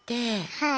はい。